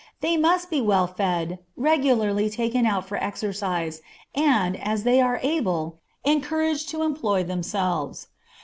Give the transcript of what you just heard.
They must be well fed, regularly taken out for exercise, and, as they are able, encouraged to employ themselves.